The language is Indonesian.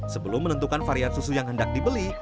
sebelum menentukan varian susu yang hendak dibeli